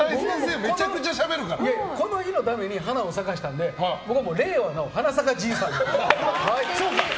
この日のために花を咲かせたので令和の花咲じいさんに。